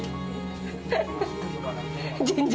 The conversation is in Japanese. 全然。